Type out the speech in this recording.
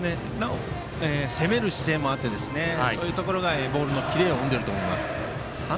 攻める姿勢もあってそういうところがボールのキレを生んでいると思います。